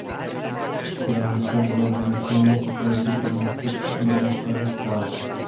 Cílem mise bylo vynesení satelitu pro ministerstvo obrany Spojených států.